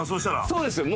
そうです。